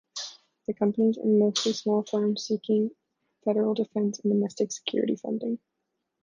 The companies are mostly small firms seeking federal defense and domestic security funding.